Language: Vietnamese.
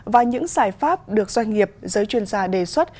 và những giải pháp được doanh nghiệp giới chuyên gia đề xuất